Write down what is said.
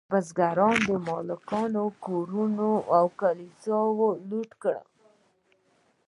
بزګرانو د مالکانو کورونه او کلیساګانې لوټ کړې.